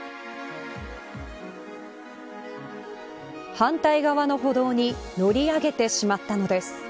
反対側の歩道に乗り上げてしまったのです。